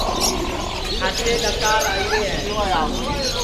کھاٹے ڈؔکار آئیرے ہے